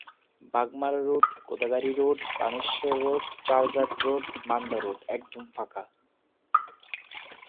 Bagmara road, Godagari road, Baneshwar road, Charghat road, Manda road একদম ফাঁকা।